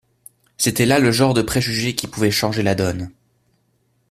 C’était là le genre de préjugé qui pouvait changer la donne.